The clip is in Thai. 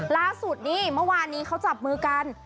ล่าสุดนี่เมื่อวานนี้เขาจับมือกัน